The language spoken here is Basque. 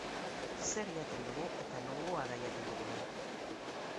Zer jaten dugu eta nongoa da jaten duguna?